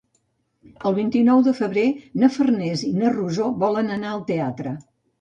El vint-i-nou de febrer na Farners i na Rosó volen anar al teatre.